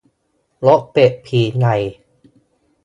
นกเป็ดผีใหญ่